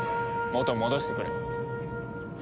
元に戻してくれ。